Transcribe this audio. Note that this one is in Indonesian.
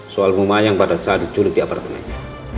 soal rumah yang pada saat diculik di apartemennya